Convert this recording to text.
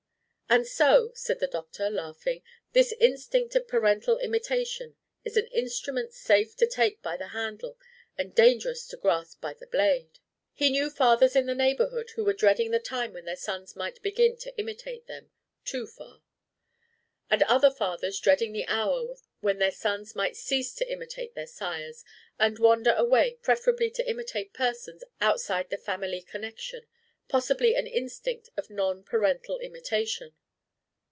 "And so," said the doctor, laughing, "this instinct of parental imitation is an instrument safe to take by the handle, and dangerous to grasp by the blade!" He knew fathers in the neighborhood who were dreading the time when their sons might begin to imitate them too far. And other fathers dreading the hour when their sons might cease to imitate their sires, and wander away preferably to imitate persons outside the family connection, possibly an instinct of non parental imitation!